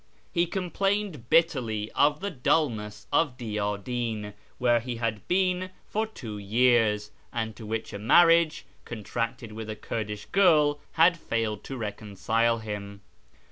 He complained bitterly of the dulness of Uiyadi'n, where he had been for two years, and to which a marriage contracted with a Kurdish girl had failed to reconcile him.